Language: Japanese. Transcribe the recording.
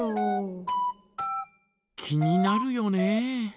気になるよね。